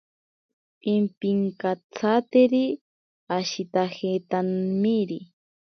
Pimpinkatsateri ashitajetamiri.